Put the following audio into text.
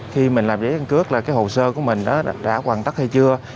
khi mình làm giấy căn cước hồ sơ của mình đã hoàn tất hay chưa